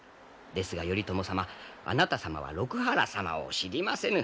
ですが頼朝様あなた様は六波羅様を知りませぬ。